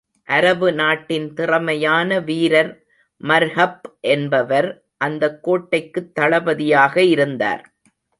அரபு நாட்டின் திறமையான வீரர் மர்ஹப் என்பவர் அந்தக் கோட்டைக்குத் தளபதியாக இருந்தார்.